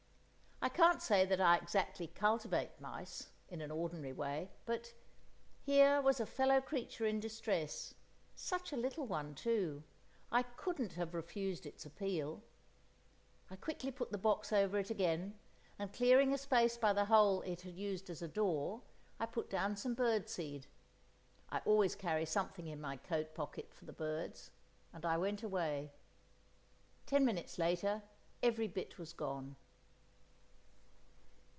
I can't say that I exactly cultivate mice, in an ordinary way, but—here was a fellow creature in distress, such a little one too; I couldn't have refused its appeal. I quickly put the box over it again, and clearing a space by the hole it had used as a door, I put down some bird seed—I always carry something in my coat pocket for the birds—and I went away. Ten minutes later, every bit was gone.